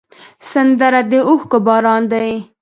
سندره د اوښکو باران ده